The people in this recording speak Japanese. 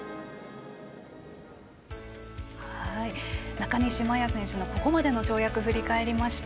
中西麻耶選手のここまでの跳躍を振り返りました。